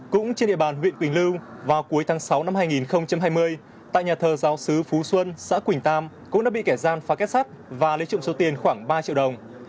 cũng trên địa bàn huyện quỳnh lưu vào cuối tháng sáu năm hai nghìn hai mươi tại nhà thờ giáo sứ phú xuân xã quỳnh tam cũng đã bị kẻ gian phá kết sắt và lấy trộm số tiền khoảng ba triệu đồng